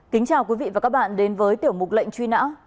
kính chào quý vị và các bạn đến với tiểu mục lệnh truy nã